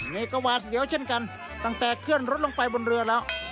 นี่ก็หวาดเสียวเช่นกันตั้งแต่เคลื่อนรถลงไปบนเรือแล้ว